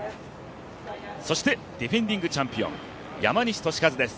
そしてディフェンディングチャンピオン山西利和です。